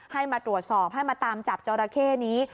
ให้มาตรวจสอบให้มาตามจับจอราเข้นี้